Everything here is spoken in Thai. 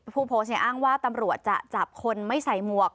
ผู้โพสต์เนี่ยอ้างว่าตำรวจจะจับคนไม่ใส่หมวก